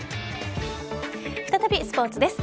再びスポーツです。